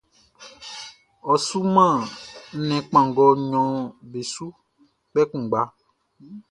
Ɔ suman nnɛn kpanngɔ nɲɔn be su kpɛ kunngba.